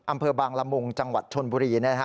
อำเภอบางละมุงจังหวัดชนบุรี